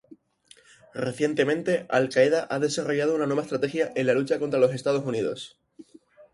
Recientemente, al-Qaeda ha desarrollado una nueva estrategia en la lucha contra los Estados Unidos.